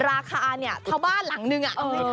ราคาเนี่ยเท่าบ้านหลังนึง